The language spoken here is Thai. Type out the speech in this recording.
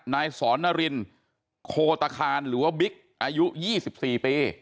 นายสอนนารินโคตคานหรือว่าบิ๊กอายุ๒๔ปี